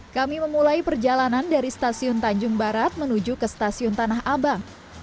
kami memulai perjalanan dari stasiun tanjung barat menuju ke stasiun tanah abang